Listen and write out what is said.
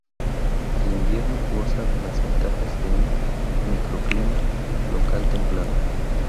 En invierno goza de las ventajas de un "microclima" local templado.